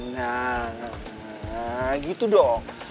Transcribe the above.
nah gitu dong